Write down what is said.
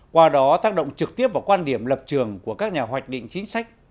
qua đó tác động trực tiếp vào quan điểm lập trường của các nhà hoạch định chính sách